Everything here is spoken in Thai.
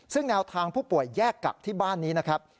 ซึ่งแนวทางผู้ป่วยแยกกักที่บ้านนี้นะครับ